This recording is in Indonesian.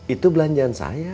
itu belanjaan saya